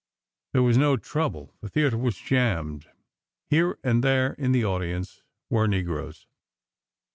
There was no trouble. The theatre was jammed. Here and there in the audience were negroes.